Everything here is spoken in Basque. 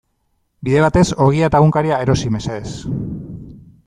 Bide batez ogia eta egunkaria erosi mesedez.